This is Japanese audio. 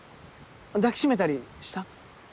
抱き締めたりした？